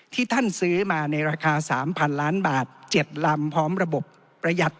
ที่ท่านซื้อมาในราคา๓๐๐๐ล้านบาท๗ลำพร้อมระบบประหยัด